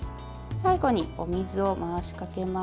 最後にお水を回しかけます。